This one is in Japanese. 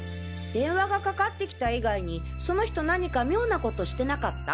電話がかかってきた以外にその人何か妙なことしてなかった？